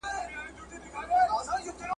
په چل ول کي بې جوړې لکه شیطان وو ,